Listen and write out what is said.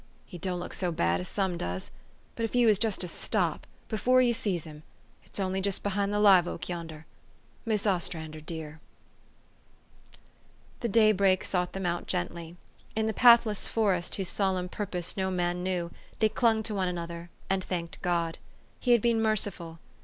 He don't look so bad as some doos but if you was just to stop before 3~ou sees him it's only jest behind the live oak yonder Mis' Ostrander dear" The daybreak sought them out gently. In the pathless forest whose solemn purpose no man knew, they clung to one another, and thanked God. He had been merciful.